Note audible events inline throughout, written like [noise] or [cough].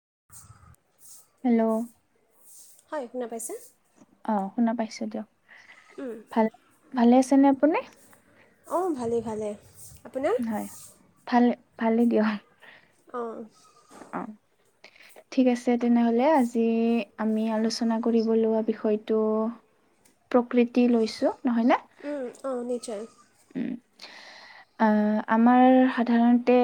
[unintelligible] হয় শুনা পাইছে। অ শুনা পাইছো দিয়ক ভাল ভালে আছেনে আপুনি। অঁ ভালে ভালে। হয় ভালে ভালে দক। আহঁ। অ ঠিক আছে তেনেহলে আজি আমি আলোচনা কৰিব লোৱা বিষয়টো প্ৰকৃতি লৈছো। উম অ নিশ্চয়। আ আমাৰ সাধাৰণতে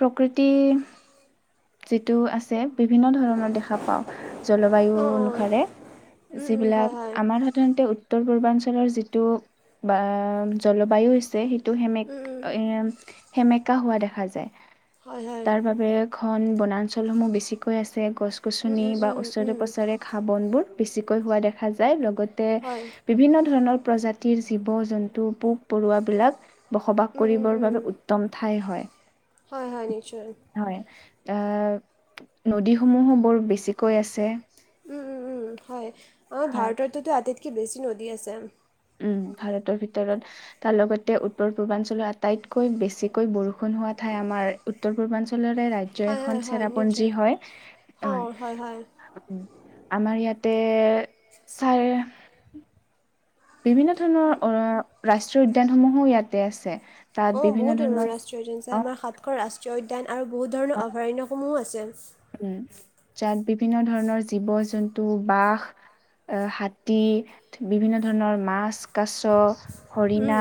প্ৰকৃতি যিটো আছে বিভিন্ন ধৰণৰ দেখা পাওঁ জলবায়ু অনুসাৰে যিবিলাক আমাৰ সাধাৰণতে উত্তৰ পূৰ্বাঞ্চলৰ যিটো বা জলবায়ু হৈছে টো সেমে সেমেকা হোৱা দেখা যায় তাৰ বাবে ঘন বনাঞ্চলসমূহ বেছিকৈ আছে গছ গছনি বা ওচৰে পাচৰে ঘা বনবোৰ বেছিকৈ হোৱা দেখা যায় লগতে বিভিন্ন ধৰণৰ প্ৰজাতি জতি জীৱ জন্তু পোক পৰুৱাবিলাক বসবাস কৰিবৰ বাবে উত্তম ঠাই হয়। হয় হয় নিশ্চয়। আ নদীসমূহো বৰ বেছিকৈ আছে। হয় আমাৰ ভাৰততো আটাইতকৈ বেছি নদী আছে। উম ভাৰতৰ ভিতৰত তাৰ লগতে উত্তৰ পূৰ্বাঞ্চলৰ আটাইতকৈ বেছিকৈ বৰষুণ হোৱা ঠাই আমাৰ উত্তৰ পূৰ্বাঞ্চলৰে ৰাজ্য এখন চেৰাপঞ্জী হয় অ উ আমাৰ ইয়াতে চাৰে বিভিন্ন ধৰণৰ অ ৰাষ্ট্ৰীয় উদ্যান সমূহো ইয়াতে আছে। অ বহুত ধৰণৰ ৰাষ্ট্ৰীয় উদ্যান আছে আমাৰ সাতশ ৰাষ্ট্ৰীয় উদ্যান আৰু বহুত ধৰণৰ অভয়াৰণ্যসমূহো আছে। উম যাত বিভিন্ন ধৰণৰ জীৱ জন্তু বাস আ হাতী বিভিন্ন ধৰণৰ মাছ কাছ হৰিণা,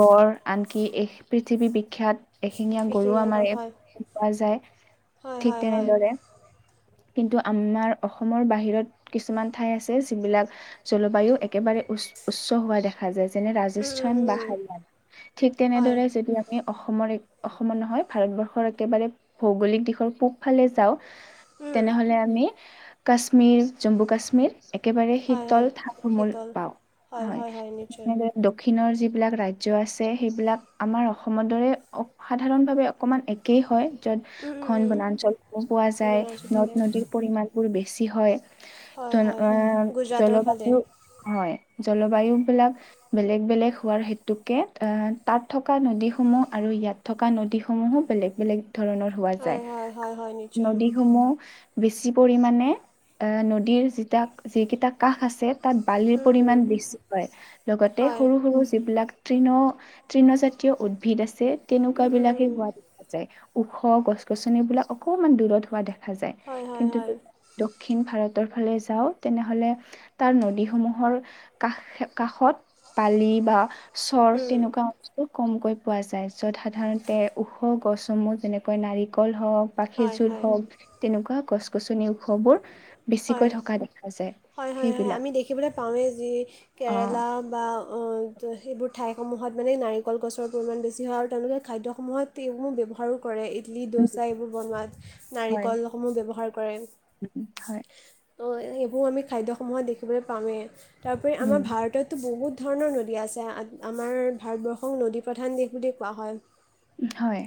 গঁড় আনকি এই পৃথিৱী বিখ্যাত এশিঙীয়া গঁড়ৰো‌ আমাৰ পোৱা যায় ঠিক তেনেদৰে কিন্তু আমাৰ অসমৰ বাহিৰত কিছুমান ঠাই আছে যিবিলাক জলবায়ু একেবাৰে উচ উচ্চ হোৱা দেখা যায় যেনে ৰাজস্থান বা হাৰিয়ানা ঠিক তেনেদৰে যদি আমি অসমৰ অসমত নহয় ভাৰতবৰ্ষৰ একেবাৰে ভৌগোলিক দিশৰ পূবফালে যাওঁ কাশ্মীৰ জম্মুকাশ্মীৰ একেবাৰে শীতল থাপ কোমল পাওঁ হয় এনেদৰে দক্ষিণ দক্ষিণৰ যিবিলাক ৰাজ্য আছে সেইবিলাক আমাৰ অসমৰ দৰে সাধাৰণভাৱে অকণমান একেই হয় যত ঘণ বনাঞ্চলসমূহ পোৱা যায় নদ নদীৰ পৰিমাণবোৰ বেছি হয় জলবায়ু হয় জলবায়ু বিলাক বেলেগ বেলেগ হোৱাৰ হেতুকে আ তাত থকা নদীসমূহ আৰু আৰু ইয়াত থকা নদীসমূহো বেলেগ বেলেগ ধৰণৰ হোৱা যায় নদীসমূহ বেছি পৰিমাণে এ নদীৰ যিতাক যিকেইটা কাষ আছে তাত বালিৰ পৰিমাণ বেছি হয় লগতে সৰু সৰু যিবিলাক তৃণ তৃণ জাতীয় উদ্ভিদ আছে তেনেকুৱা বিলাকে হোৱা দেখা যায় ওখ গছ গছনিবিলাক অকমান দূৰত হোৱা দেখা যায় কিন্তু দক্ষিণ ভাৰত ৰ ফালে যাওঁ তেনেহলে তাৰ নদীসমূহৰ কাষ কাষত পালি বা চৰ তেনেকুৱা বস্তু কমকৈ পোৱা যায় য'ত সাধাৰণতে ওখ গছসমূহ যেনেকৈ নাৰিকল হওঁক বা খেজুৰ হওঁক তেনেকুৱা গছ গছনি ওখ বোৰ বেছিকৈ থকা দেখা যায় হয় হয় হয় আমি দেখিবলৈ পাওঁৱেই যি কেৰেলা বা [inaudible] ত' সেইবোৰ ঠাইসমূহত মানে নাৰিকল গছৰ পৰিমাণ বেছি হয় আৰু তেওঁলোকে খাদ্যসমূহত এইসমূহ ব্যৱহাৰো কৰে ইডলি, ডোচা এইবোৰ বনোৱাত নাৰিকলসমূহ ব্যৱহাৰ কৰে সেইবোৰ আমি খাদ্যসমূহত দেখিবলৈ পাওঁয়েই তাৰোপৰি আমাৰ ভাৰততো বহুত ধৰণৰ নদী আছে আমাৰ ভাৰতবৰ্ষক নদী প্ৰধান দেশ বুলি কোৱা হয়। হয়।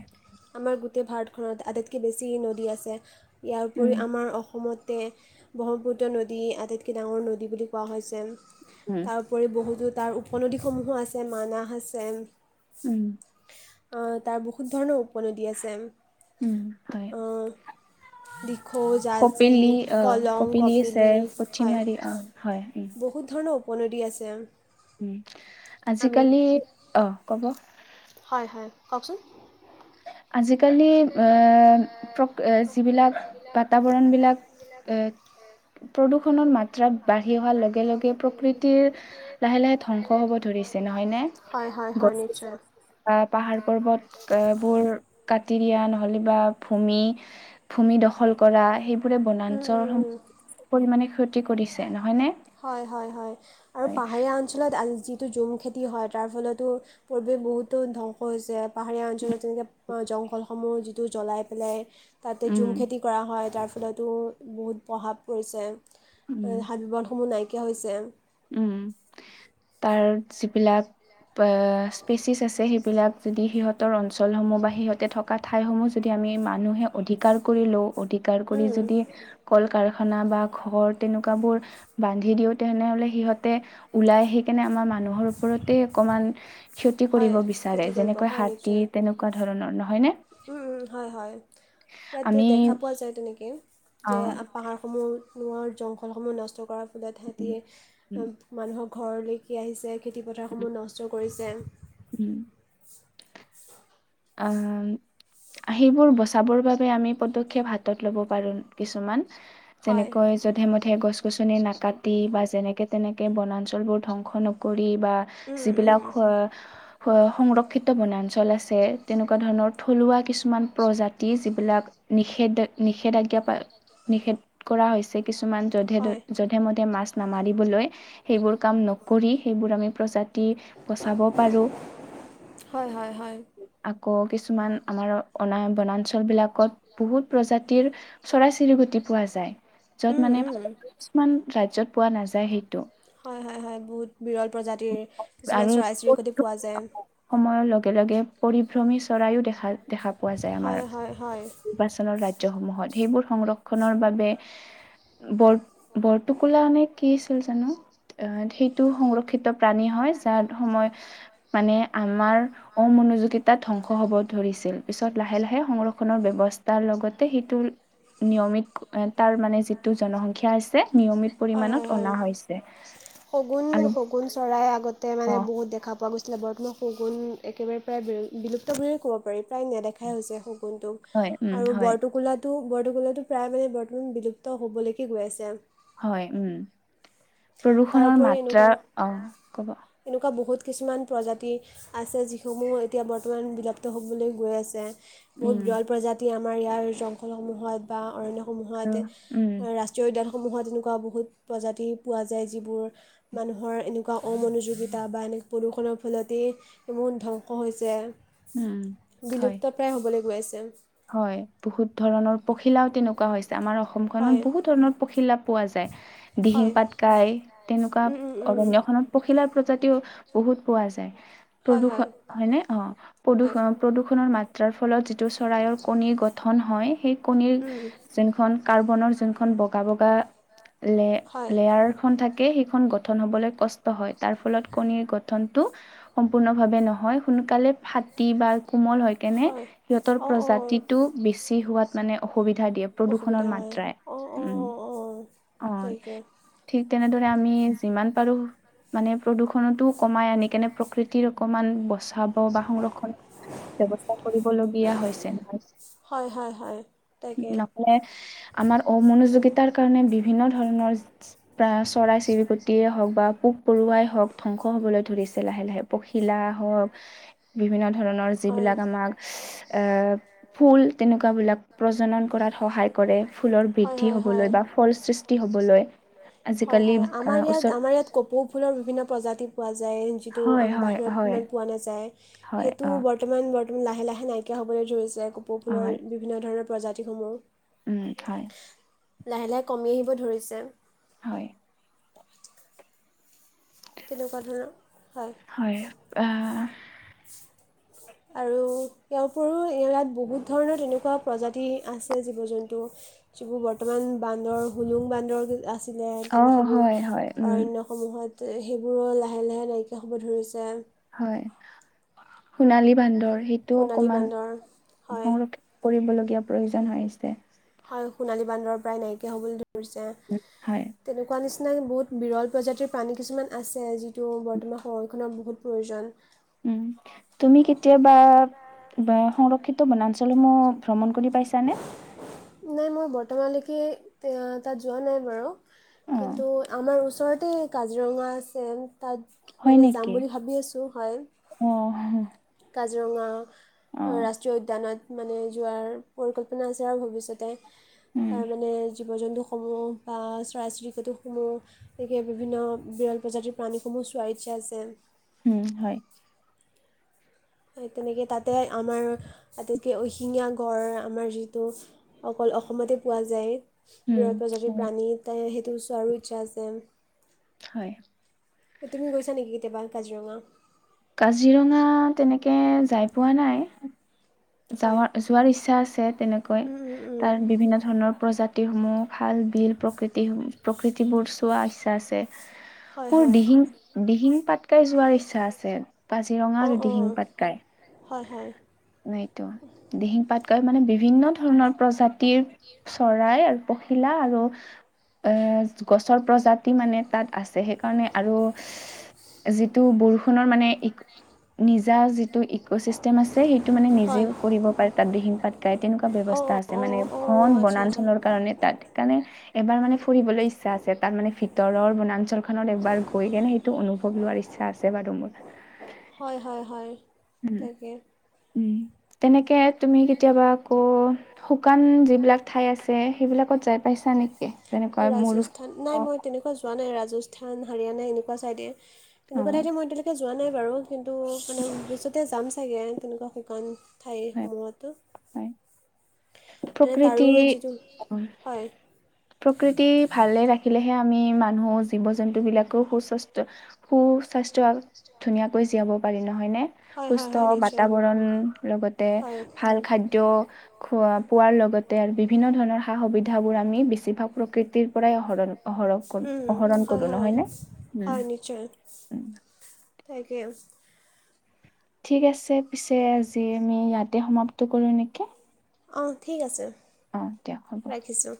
আমাৰ গোটেই ভাৰতখনত আটাইতকৈ বেছি নদী আছে ইয়াৰ উপৰি আমাৰ অসমত তে ব্ৰহ্মপুত্ৰ নদী আটাইতকৈ ডাঙৰ নদী বুলি কোৱা হয় যেন। তাৰোপৰি বহুতো তাৰ উপনদীসমূহো আছে মানাহ আছে উম আহ তাৰ বহুত ধৰণৰ উপনদী আছে। উম হয় দি [inaudible] খোজাআজি, কলং, কপিলি হয় বহুত ধৰণৰ উপনদী আছে। উম আজিকালি অ কব হয়-হয় কওকচোন? [unintelligible] আজিকালি এ প্ৰক [unintelligible] যিবিলাক বাতাবৰণবিলাক এ প্ৰদূষণৰ মাত্ৰা বাঢ়ি অহাৰ লগে-লগে প্ৰকৃতিৰ লাহে-লাহে ধ্বংস হ'ব হ'ব ধৰিছে নহয় নে? গছ-গছনি আহ পাহাৰ-পৰ্বত আহ বোৰ কাটি দিয়া নহ'লে বা ভূমি-ভূমি দখল কৰা সেই সেইবোৰে বনাঞ্চল বহু পৰিমাণে ক্ষতি কৰিছে নহয় নে? হয়-হয়-হয় আৰু পাহাৰীয়া অঞ্চলত আন যিটো জোম খেতি হয় তাৰ ফলতো পৰিৱেশ বহুতো ধ্বংস হৈছে পাহাৰীয়া অঞ্চলত যেনেকৈ জংঘলসমূহ যিটো জ্বলাই পেলাই তাতে জুম খেতি কৰা হয় তাৰ ফলতো বহুত প্ৰভাৱ পৰিছে [unintelligible] মোৰ নাইকিয়া হৈছে উম তাৰ যিবিলাক স্পেচিছ আছে সেইবিলাক যদি সিহঁতৰ অঞ্চলসমূহ বা সিহঁতে থকা ঠাইসমূহ যদি আমি মানুহে অধিকাৰ কৰি লওঁ অধিকাৰ কৰি যদি কল কাৰখানা বা ঘৰ তেনেকুৱাবোৰ বান্ধি দিওঁ তেনেহলে সিহঁতে ওলাই সেইকাৰণে আমাৰ মানুহৰ ওপৰতে অকনমান ক্ষতি কৰিব বিচাৰে যেনেকৈ হাতী তেনেকুৱা ধৰণৰ নহয় নে? উম-উম, হয়-হয় ইয়াত দেখা পোৱা যায় তেনেকেই যে পাহাৰসমূহ [unintelligible] জংঘলসমূহ নষ্ট কৰাৰ ফলত হেঁতি মানুহৰ ঘৰলৈ কি আহিছে খেতিপথাৰসমূহ নষ্ট কৰিছে। আহ সেইবোৰ বচাবৰ বাবে আমি পদক্ষেপ হাতত ল'ব পাৰোঁ কিছুমান যেনেকৈ যধে-মধে গছ-গছনি নাকাতি নাকাটি বা যেনেকে-তেনেকে বনাঞ্চলবোৰ ধ্বংস নকৰি ৰি বা যিবিলাক সংৰক্ষিত বনাঞ্চল আছে তেনেকুৱা ধৰণৰ থলুৱা কিছুমান প্ৰজাতি যিবিলাক নিষে নিষেধাজ্ঞা নিষেধ কৰা হৈছে কিছুমান যধে যধে মধে মাছ নামাৰিবলৈ সেইবোৰ কাম নকৰি সেইবোৰ আমি প্ৰজাতি বচাব পাৰোঁ। হয়-হয়-হয় আকৌ কিছুমান আমাৰ অনায় বনাঞ্চলবিলাকত বহুত প্ৰজাতিৰ চৰাই-চিৰিকটি পোৱা যায় যত মানে ভাল কিছুমান পোৱা নাযায় সেইটো। হয়-হয়-হয় বহুত বিৰল প্ৰজাতিৰ কিছুমান চৰাই-চিৰিকটি পোৱা যায়। সময়ৰ লগে-লগে পৰিভ্ৰমী চৰাইয়ো দেখা দেখা পোৱা যায় আমাৰ নিৰ্বাচলৰ ৰাজ্য ৰাজ্যসমূহত সেইবোৰ সংৰক্ষণৰ বাবে বৰ-বৰটোকোলা নে কি আছিল জানো আহ সেইটো সংৰক্ষিত প্ৰাণী হয়, যাৰ সময় মানে আমাৰ- অমনোযোগিতাত ধ্বংস হব ধৰিছে। পিছত লাহে লাহে সংৰক্ষণৰ ব্যৱস্থাৰ লগতে সেইটো নিয়মিত, তাৰ মানে- যিটো জনসংখ্যা আছে নিয়মিত পৰিমানত অনা হৈছে আৰু- আগতে মানে বহুত দেখা পোৱা গৈছে। লবৰমৰ শগুণ একেবাৰে প্ৰায় বি-বিলুপ্ত বুলিয়ে ক'ব পাৰি, প্ৰায় নেদেখাই হৈছে। কোনটো আৰু বৰটোকোলাটো- বৰটোকোলাটো প্ৰায় মানে বৰ্তমান বিলুপ্ত হ'বলৈকে গৈ আছে আৰু। হয় উম, প্ৰদূষণৰ মাত্ৰা আহ কব- কিছুমান প্ৰজাতি আছে যিসমূহ এতিয়া বৰ্তমান বিলুপ্ত হ'বলৈ গৈ আছে। বহুত বিৰল প্ৰজাতি আমা আমাৰ ইয়াৰ জংঘলসমূহত বা অৰণ্যসমূহত, ৰাষ্ট্ৰীয় উদ্যানসমূহত তেনেকুৱা বহুত- প্ৰজাতিৰ- পোৱা যায়, যিবোৰ মানুহৰ এনেকুৱা অমনোযোগিতা বা এনেকুৱ প্ৰদূষণৰ ফলতেইবোৰ বন ধ্বংস হৈছে, বিলুপ্ত প্ৰায় হ'বলৈ গৈইছে। হয়, বহুত ধৰণৰ পখিলাও তেনেকুৱা হৈছে। আমাৰ অসমখনত বহুত ধৰণৰ পখিলা পোৱা যায়, দিহিং পাটকাই তেনেকুৱা অৰণ্যখনত পখিলাৰ প্ৰজাতিও বহুত পোৱা যায়। প্ৰদূষণ হয়নে, অ প্ৰদূষ- প্ৰদূৰষণৰ মাত- যাৰ ফলত যিটো চৰাইয়ৰ কণী গঠন হয় সেই- কণীৰ যোনখন কাৰ্বনৰ যোনখন বগা বগা- লে -লেয়াৰখন থাকে সেইখন গঠন হ'বলৈ কষ্ট হয়, তাৰ ফলত কণীৰ গঠন- টো সম্পূৰ্ণ ভাৱে নহয়, সোনকালে ফাটি বা কোমল হয় কেনে সিহত- প্ৰজাতিটো বেছি হোৱাত মানে অসুবিধা দিয়ে প্ৰদূষণৰ মাত্ৰাই। উম অ, ঠিক তেনেদৰে আমি যিমান পাৰোঁ- মানে প্ৰদূষণতো কমাই আনি কেনে প্ৰকৃতিৰ অকমান বস্ত ধাব বা সংৰক্ষণ ব্যৱস্থা কৰিবলগীয়া হৈছে ন। নহ'লে আমাৰ অমনোযোগিতাৰ কাৰণে - বিভিন্ন ধৰণৰ চৰাই -চিৰিকটিয়েই হওঁক বা পোক- পৰুৱাই হওঁক ধ্বংস হবলৈ ধৰিছে লাহে লাহে, পখিলা হওঁক, বিভিন্ন- ধৰণৰ যিবিলাক আমাক আ ফুল তেনেকুৱাবিলাক প্ৰজনন কৰাত সহায়। কৰে ফুলৰ বৃদ্ধি হ'বলৈ বা ফল সৃষ্টি- হয়- হয়, আমাৰ ইয়াত আমাৰ -আমাৰ ইয়াত কপৌ ফুলৰ বিভিন্ন প্ৰজাতি পোৱা যায়। যায় যিটো বাহিৰত ইমান পোৱা নাযায়। হয়। তো বৰ্তমান -বৰ্তমান লাহে- লাহে নাইকিয়া হ'বলৈ ধৰিছে কপৌ ফুলৰ বিভিন্ন ধৰণৰ প্ৰজাতিসমূহ। উম হয়। লাহে -লাহে কমি আহিব ধৰিছে। হয়। তেনেকুৱা ধৰণৰ। হয় আহ। আৰু ইয়াৰ উপৰিও ইয়াত বহুত ধৰণৰ তেনেকুৱা প্ৰজাতি আছে জীৱ জন্তু। ত সিবোৰ বৰ্তমান বান্দৰ, হুলুং বান্দৰবোৰ আছে। আছিলে, তেনে সেইবোৰ অৰণ্যসমূহত সেইবোৰো লাহে লাহে নাইকিয়া হ'ব ধৰিছে। হয়, সোণালী বান্দৰ। সেইটো অকমান সংৰক্ষ কৰিবলগীয়া প্ৰয়োজন হৈছে। হয়, সোণালী বান্দৰ প্ৰায় নাইকিয়া হ'বলৈ ধৰিছে তেনেকুৱা নিচিনা। নাই, বহুত বিৰল প্ৰজাতিৰ প্ৰানী কিছুমান আছে, যিটো বৰ্তমান সংৰক্ষণৰ বহুত প্ৰয়োজন। উম, তুমি কেতিয়াবা বা সংৰক্ষিত বনাঞ্চলসমূহ ভ্ৰমণ- শুনি পাইছানে? বৰ্তমানলৈকে তাত যোৱা নাই বাৰু। কিন্তু আমাৰ ওচৰতে কাজিৰঙা আছে। তাত মানে যাম বুলি ভাবি আছোঁ হয় কাজিৰঙা। ৰাষ্ট্ৰীয় উদ্যানত মানে যোৱাৰ পৰিকল্পনা আছে আৰু ভৱিষ্যতে। তাৰ মানে জীৱ জন্তু। সমূহ বা চৰাই চিৰিকটি সমূহ এনেকৈ বিভিন্ন বিৰল প্ৰজাতিৰ প্ৰাণীসমূহ চোৱই। এজেল। উম হয়। তেনেকে তাতে আমাৰ আটাইতকৈ এশিঙীয়া গঁড় আমাৰ যিটো। অসমতে পোৱা যায় বীৰৎ প্ৰজাতিৰ প্ৰাণী সেইটো চোৱাৰো ইচ্ছা আছে। হয়। তুমি গৈছা নেকি কেতিয়াবা কাজিৰঙা? কাজিৰঙা তেনেকে যাই পোৱা নাই। য যোৱাৰ ইচ্ছা আছে তেনেকৈ, তাৰ বিভিন্ন ধৰণৰ প্ৰজাতি- সমূহ খাল বিল প্ৰকৃতি প্ৰকৃতিবোৰ চোৱা ইচ্ছা আছে। মোৰ দিহিং দিহিং পাত পাতকাই যোৱাৰ ইচ্ছা আছে, কাজিৰঙা আৰু দিহিং পাটকাই হয় হয়। নাইতো, দিহিং পাটকাই মানে বিভিন্ন ধৰণৰ প্ৰজাতিৰ চৰাই আৰু পখিলা আৰু এ গছৰ প্ৰজাতি মানে তাত আছে সেইকাৰণে আৰু যিটো বৰষুণৰ মানে নিজা যিটো ইক'চিষ্টেম আছে। সেইটো মানে নিজে কৰিব পাৰে তাত দিহিং পাটকাই, তেনেকুৱা ব্যৱস্থা আছে মানে ঘন বনাঞ্চলৰ কাৰণে। তাত সেইকাৰণে এবাৰ মানে ফুৰিবলৈ ইচ্ছা আছে তাৰ মানে ভিতৰৰ বনাঞ্চলখনত এবাৰ গৈ কেনে সেইটো অনুভৱ লোৱাৰ ইচ্ছা আছে বাৰু। গম [unintelligible] হয় হয় হয়। তাকে। উম, তেনেকে তুমি কেতিয়াবা আকৌ শুকান যিবিলাক। ঠাই আছে সেইবিলাকত যাই পাইছা নেকি? যেনেকুৱা মোৰ ৰাজস্থান, হাৰিয়ানা এনেকুৱা ছাইডে এনেকুৱা ঠাইতে মই এতিয়ালৈকে যোৱা নাই বাৰু। কিন্তু মানে ভৱিষ্যতে যাম চাগে তেনেকুৱা শুকান ঠাইসমূহতো। প্ৰকৃতি, প্ৰকৃতি ভালে ৰাখিলেহে আমি। মানুহ জীৱ - জন্তু বিলাকে সুস্বাস্থ্য সুস্বাস্থ্য। ধুনীয়াকৈ জীয়াব পাৰি ন? হয়নে, সুস্থ বাতাবৰণ লগতে ভাল খাদ্য। খোৱা পোৱাৰ লগতে আৰু বিভিন্ন ধৰণৰ সা- সুবিধা বোৰ আমি। প্ৰকৃতিৰ পৰাই আহৰণ। অহৰ কৰ অহৰণ কৰো নহয় নে। তাকে। ঠিক আছে পিছে আজি আমি ইয়াতে সমাপ্ত কৰো নেকি। অঁ ঠিক আছে ৰাখিছোঁ।